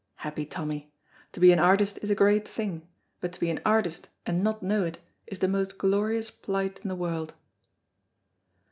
Happy Tommy! To be an artist is a great thing, but to be an artist and not know it is the most glorious plight in the world.